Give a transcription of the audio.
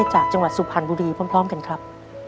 จากจังหวัดสุพรรณบุรีพร้อมกันครับ